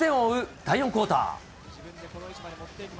第４クオーター。